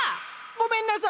ごめんなさい！